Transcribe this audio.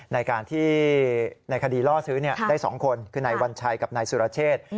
ในการที่ในคดีล่อซื้อได้๒คนคือนายวัญชัยกับนายสุรเชษ